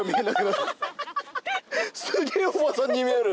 すげえおばさんに見える。